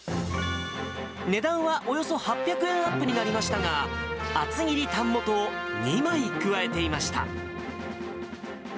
値段はおよそ８００円アップになりましたが、厚切りタン元を２枚加えていました。